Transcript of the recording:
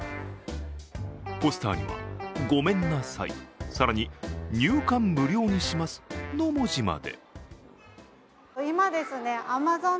ポスターには、ごめんなさい、更に入館無料にしますの文字まで。